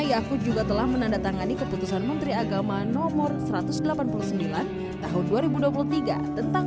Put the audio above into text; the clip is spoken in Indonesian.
yakut juga telah menandatangani keputusan menteri agama nomor satu ratus delapan puluh sembilan tahun dua ribu dua puluh tiga tentang